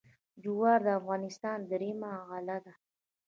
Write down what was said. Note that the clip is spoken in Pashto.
جوار د افغانستان درېیمه غله ده.